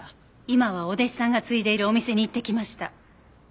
今はお弟子さんが継いでいるお店に行ってきました。